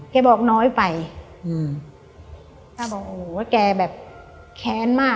แกบอกน้อยไปแกแบบแค้นมาก